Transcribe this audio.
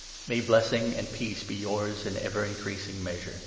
May blessing and peace be yours in ever increasing measure.